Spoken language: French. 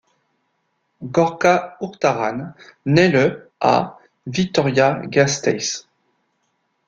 Gorka Urtaran nait le à Vitoria-Gasteiz.